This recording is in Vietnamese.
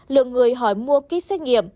lượng người hỏi mua kích xét nghiệm